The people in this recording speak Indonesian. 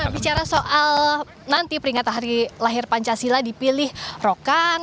bicara soal nanti peringatan hari lahir pancasila dipilih rokan